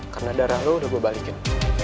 karena darah lo udah gue balikin